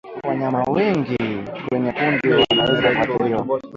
Wanyama wengi kwenye kundi wanaweza kuathiriwa